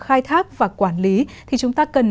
khai thác và quản lý thì chúng ta cần